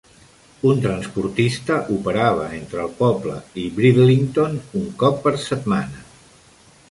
Un transportista operava entre el poble i Bridlington un cop per setmana.